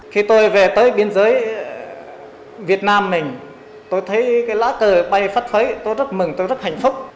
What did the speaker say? khi tôi về tới biên giới việt nam mình tôi thấy cái lá cờ bay phát khuấy tôi rất mừng tôi rất hạnh phúc